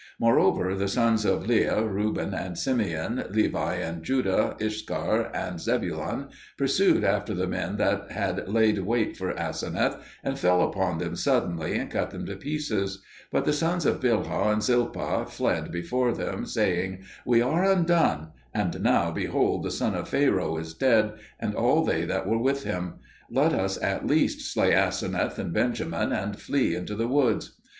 Moreover, the sons of Leah, Reuben and Simeon, Levi and Judah, Issachar and Zebulun, pursued after the men that had laid wait for Aseneth, and fell upon them suddenly and cut them to pieces; but the sons of Bilhah and Zilpah fled before them, saying, "We are undone; and now, behold, the son of Pharaoh is dead, and all they that were with him. Let us at least slay Aseneth and Benjamin, and flee into the woods."